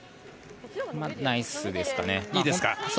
いいですか？